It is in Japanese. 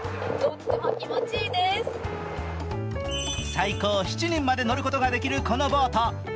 最高７人まで乗ることができるこのボート。